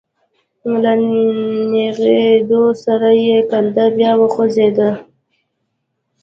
له نېغېدو سره يې کنده بيا وخوځېده.